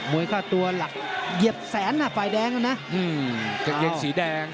วยค่าตัวหลักเหยียบแสนฝ่ายแดงนะกางเกงสีแดง